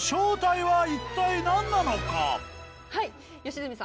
はい。